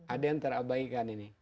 ada yang terabaikan ini